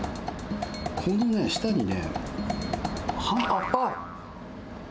このね、下にね、あっ。